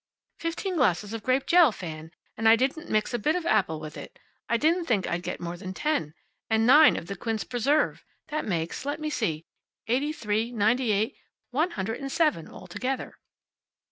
"Fifteen glasses of grape jell, Fan! And I didn't mix a bit of apple with it. I didn't think I'd get more than ten. And nine of the quince preserve. That makes let me see eighty three, ninety eight one hundred and seven altogether."